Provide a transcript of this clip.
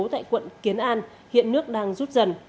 tại quận kiến an hiện nước đang rút dần